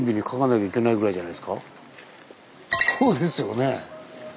そうですよね。